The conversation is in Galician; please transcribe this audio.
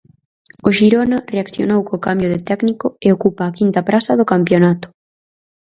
O Xirona reaccionou co cambio de técnico e ocupa a quinta praza do campionato.